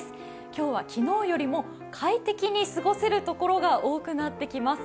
今日は昨日よりも快適に過ごせる所が多くなってきます。